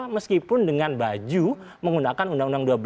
meskipun dengan baju menggunakan undang undang dua belas